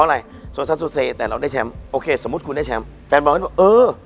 แฟนบอลก็แบบเออ